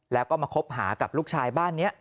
แล้วก็มาคบหากับลูกชายบ้านนี้